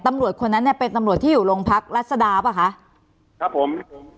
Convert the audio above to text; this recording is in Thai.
ตำรวจคนนั้นเนี่ยเป็นตำรวจที่อยู่โรงพักรัศดาป่ะคะครับผมผม